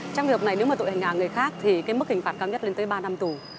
trong việc này nếu tội hành hạ người khác thì mức hình phạt cao nhất lên tới ba năm tù